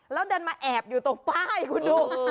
แล้วดันมาแอบอยู่ตรงป้ายคุณดู